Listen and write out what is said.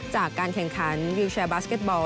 จากการแข่งขันวิวแชร์บาสเก็ตบอล